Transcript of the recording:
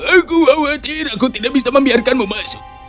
aku khawatir aku tidak bisa membiarkanmu masuk